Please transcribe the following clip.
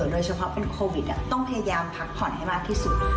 โดยเฉพาะเป็นโควิดต้องพยายามพักผ่อนให้มากที่สุด